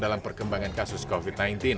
dalam perkembangan kasus covid sembilan belas